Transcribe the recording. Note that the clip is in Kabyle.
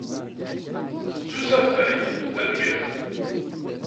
S usafag, tanemmirt.